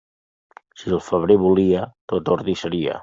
Si el febrer volia, tot ordi seria.